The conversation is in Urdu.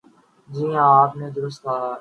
جی ہاں، آپ نے درست کہا۔